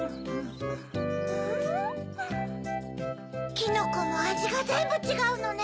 きのこもあじがぜんぶちがうのね。